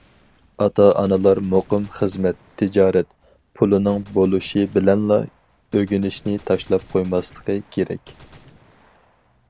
ئاتا- ئانىلار مۇقىم خىزمەت، تىجارەت، پۇلىنىڭ بولۇشى بىلەنلا ئۆگىنىشنى تاشلاپ قويماسلىقى كېرەك.